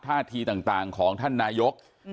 ท่าทีต่างของท่านนายก